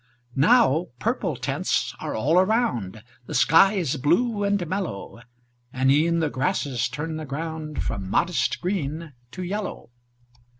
Now purple tints are all around; The sky is blue and mellow; And e'en the grasses turn the ground From modest green to yellow.